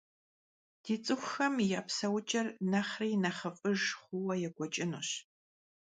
Di ts'ıxuxem ya pseuç'er nexhri nexhıf'ıjj xhuue yêk'ueç'ınuş.